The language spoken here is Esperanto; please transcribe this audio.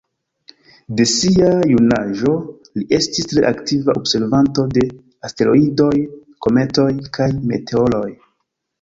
De sia junaĝo, li estis tre aktiva observanto de asteroidoj, kometoj, kaj meteoroj.